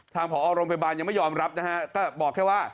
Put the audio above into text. ผอโรงพยาบาลยังไม่ยอมรับนะฮะก็บอกแค่ว่า